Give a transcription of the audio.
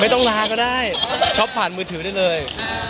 ต้องลาก็ได้ช็อปผ่านมือถือได้เลย